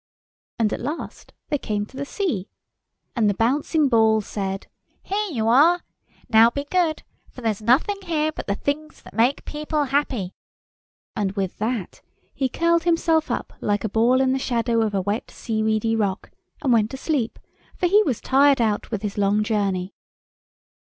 And at last they came to the sea. And the Bouncing Ball said, "Here you are! Now be good, for there's nothing here but the things that make people happy." And with that he curled himself up like a ball in the shadow of a wet sea weedy rock, and went to sleep, for he was tired out with his long journey.